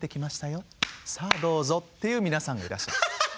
さあどうぞっていう皆さんがいらっしゃる。